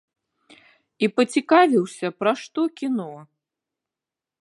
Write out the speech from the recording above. І пацікавіўся, пра што кіно.